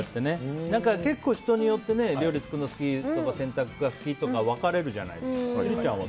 結構、人によって料理作るの好きとか洗濯が好きとか分かれるじゃないですか。